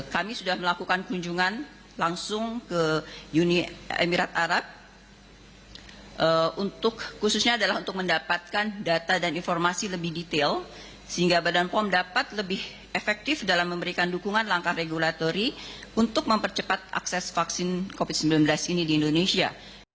kami sudah melakukan kunjungan langsung ke uni emirat arab khususnya adalah untuk mendapatkan data dan informasi lebih detail sehingga badan pom dapat lebih efektif dalam memberikan dukungan langkah regulatory untuk mempercepat akses vaksin covid sembilan belas ini di indonesia